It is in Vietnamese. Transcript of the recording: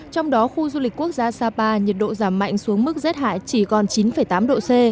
trong đó khu du lịch quốc gia sapa nhiệt độ giảm mạnh xuống mức rét hại chỉ còn chín tám độ c